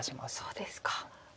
そうですか。